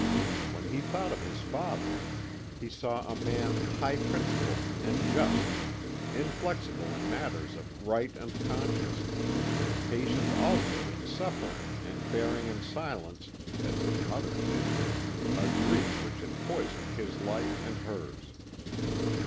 When he thought of his father he saw a man high principled and just, inflexible in matters of right and conscience, patient also in suffering, and bearing in silence, as his mother did, a grief which had poisoned his life and hers.